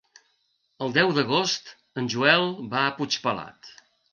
El deu d'agost en Joel va a Puigpelat.